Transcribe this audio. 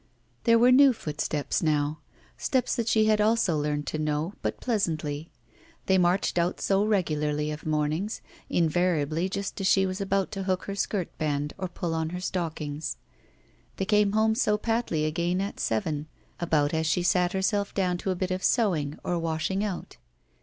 There were new footsteps now. Steps that she had also learned to know, but pleasantly. They marched out so regularly of mornings, invariably just as she was about to hook her skirtband or pull on her stockings. They came home so patly again at seven, about as she sat herself down to a bit of sewing or washing out.